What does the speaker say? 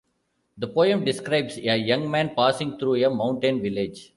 The poem describes a young man passing through a mountain village.